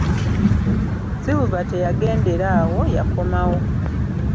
Silver teyagendera awo yakomawo.